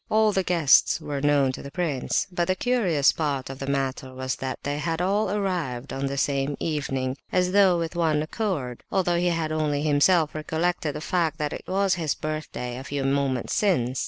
All the guests were known to the prince; but the curious part of the matter was that they had all arrived on the same evening, as though with one accord, although he had only himself recollected the fact that it was his birthday a few moments since.